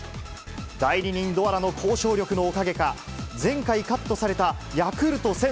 代理人、ドアラの交渉力のおかげか、前回カットされたヤクルト１０００